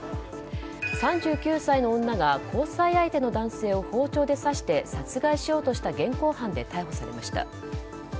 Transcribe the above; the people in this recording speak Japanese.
３９歳の女が交際相手の男性を包丁で刺して殺害しようとした現行犯で逮捕されました。